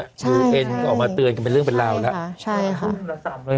ยูเอ็นก็ออกมาเตือนกันเป็นเรื่องเป็นราวแล้วใช่ค่ะใช่ค่ะหุ้นละสามเลย